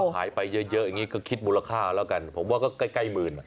หายไปเยอะอย่างนี้ก็คิดมูลค่าแล้วกันผมว่าก็ใกล้หมื่น